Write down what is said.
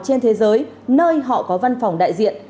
trên thế giới nơi họ có văn phòng đại diện